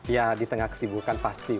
ya di tengah kesibukan pasti